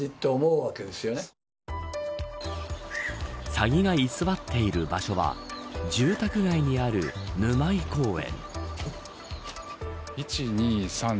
サギが居座っている場所は住宅街にある沼井公園。